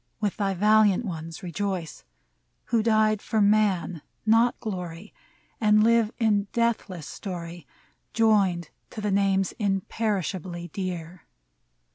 with thy valiant ones rejoice, Who died for Man, not glory, And live in deathless story, Joined to the names imperishably dear